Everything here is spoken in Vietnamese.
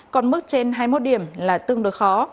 còn mức trên hai mươi một điểm là tương đối khó